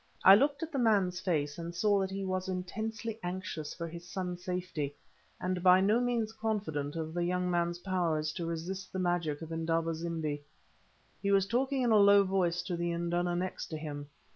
I looked at the man's face and saw that he was intensely anxious for his son's safety, and by no means confident of the young man's powers to resist the magic of Indaba zimbi. He was talking in a low voice to the induna next to him.